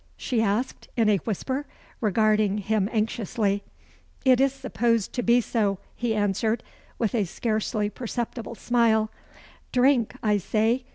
she asked in a whisper, regarding him anxiously. "It is supposed to be so," he answered, with a scarcely perceptible smile. "Drink, I say.